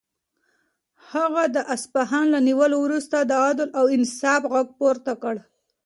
هغه د اصفهان له نیولو وروسته د عدل او انصاف غږ پورته کړ.